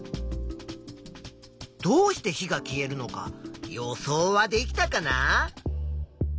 どうして火が消えるのか予想はできたかな？